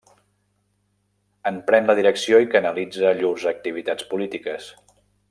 En pren la direcció i canalitza llurs activitats polítiques.